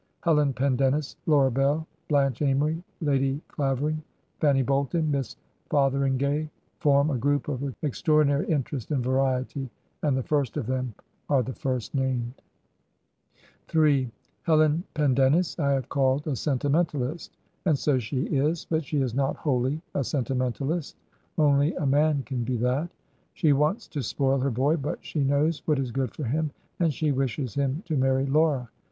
Helen Pendennis, Laura Bell, Blanche Amory, Lady Clavering, Fanny Bolton, Miss Fotheringay form a group of extraordinary interest and variety, and the first of them are the first named. m Helen Pendennis I have called a sentimentalist, and so she is, but she is not wholly a sentimentalist; only 210 Digitized by VjOOQIC THACKERAY'S GOOD HEROINES a man can be that. She wants to spoil her boy, but she knows what is good for him, and she wishes him to marry Laura.